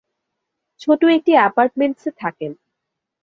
ছোট একটি এপার্টমেন্টসে থাকেন।